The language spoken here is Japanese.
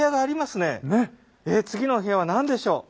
えっ次のお部屋は何でしょう？